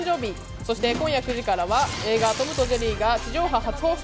そして今夜９時からは映画『トムとジェリー』が地上波初放送。